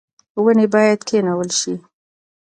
ونې باید کینول شي